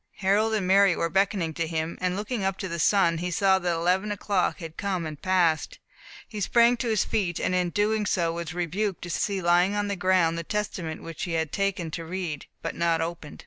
Harold and Mary were beckoning to him; and looking up to the sun, he saw that eleven o'clock had come and passed. He sprang to his feet, and in doing so, was rebuked to see lying on the ground the Testament which he had taken to read, but had not opened.